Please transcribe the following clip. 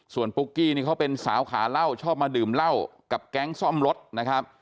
ส่วนปุ๊กกี้นี่เขาเป็นสาวขาเหล้าชอบมาดื่มเหล้ากับแก๊งซ่อมรถนะครับ